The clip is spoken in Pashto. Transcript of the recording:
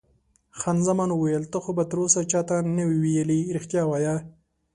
خان زمان وویل: تا خو به تراوسه چا ته نه وي ویلي؟ رښتیا وایه.